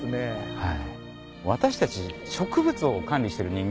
はい。